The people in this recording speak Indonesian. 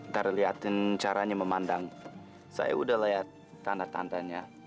dari liatin caranya memandang saya udah liat tanda tandanya